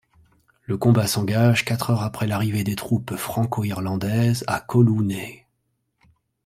Le combat s'engage quatre heures après l'arrivée des troupes franco-irlandaises à Collooney.